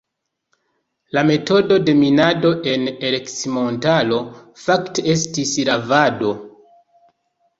La metodo de minado en Ercmontaro fakte estis "lavado".